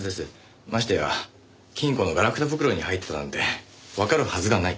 ましてや金庫のガラクタ袋に入ってたなんてわかるはずがない。